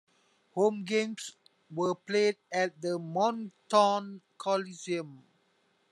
Home games were played at the Moncton Coliseum.